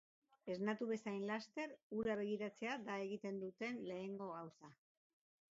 Esnatu bezain laster, hura begiratzea da egiten duten lehenengo gauza.